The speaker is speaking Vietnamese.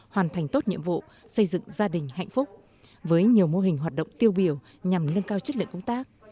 hoàn thành tốt nhiệm vụ xây dựng gia đình hạnh phúc với nhiều mô hình hoạt động tiêu biểu nhằm nâng cao chất lượng công tác